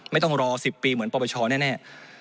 ไม่ต้องรอสิบปีเหมือนปบชแน่แน่